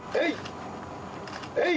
えい！